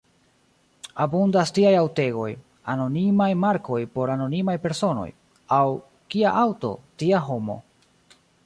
Abundas tiaj aŭtegoj: anonimaj markoj por anonimaj personoj; aŭ, kia aŭto, tia homo.